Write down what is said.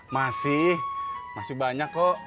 masih masih banyak kok